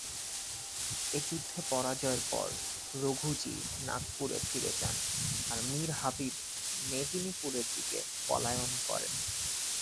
এই যুদ্ধে পরাজয়ের পর রঘুজী নাগপুরে ফিরে যান, আর মীর হাবিব মেদিনীপুরের দিকে পলায়ন করেন।